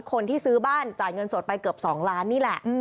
คนที่ซื้อบ้านจ่ายเงินสดไปเกือบ๒ล้านนี่แหละ